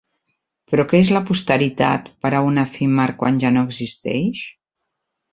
Però què és la posteritat per a un efímer quan ja no existeix?